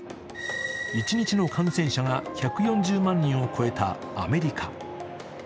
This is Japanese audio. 一日の感染者が１４０万人を超えたアメリカ。